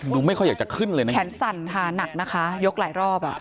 ไม่ค่อยอยากจะขึ้นเลยนะแขนสั่นค่ะหนักนะคะยกหลายรอบอ่ะ